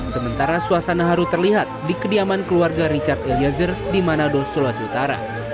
sementara suasana haru terlihat di kediaman keluarga richard eliezer di manado sulawesi utara